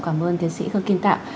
cảm ơn tiến sĩ khương kim tạm